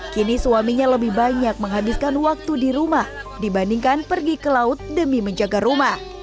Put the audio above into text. kini suaminya lebih banyak menghabiskan waktu di rumah dibandingkan pergi ke laut demi menjaga rumah